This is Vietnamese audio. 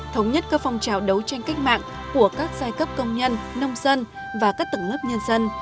thống nhất các phong trào đấu tranh cách mạng của các giai cấp công nhân nông dân và các tầng lớp nhân dân